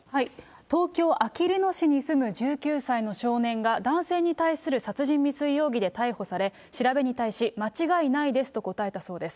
東京・あきる野市に住む１９歳の少年が、男性に対する殺人未遂容疑で逮捕され、調べに対し、間違いないですと答えたそうです。